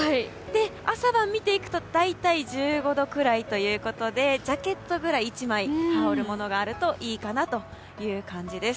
朝晩を見ていくと大体１５度くらいということでジャケットぐらい１枚羽織るものがあるといいかなという感じです。